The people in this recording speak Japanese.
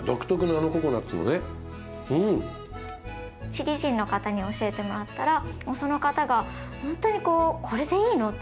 チリ人の方に教えてもらったらその方がほんとにこう「これでいいの？